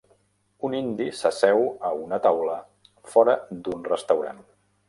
Un indi s'asseu a una taula fora d'un restaurant.